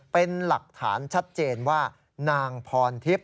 เป็นหลักฐานชัดเจนว่านางพรทิพย์